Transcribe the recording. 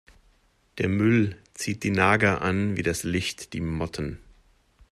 Der Müll zieht die Nager an wie das Licht die Motten.